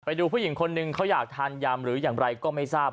ไปดูผู้หญิงคนหนึ่งเขาอยากทานยำหรืออย่างไรก็ไม่ทราบ